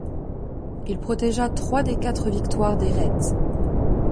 Il protégea trois des quatre victoires des Reds.